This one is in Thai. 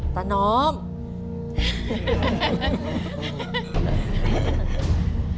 ตาน้อม